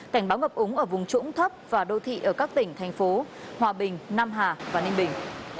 cảnh báo ngập úng ở vùng trũng thấp và đô thị ở các tỉnh thành phố hòa bình nam hà và ninh bình